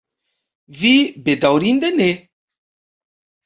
Vi, bedaŭrinde, ne.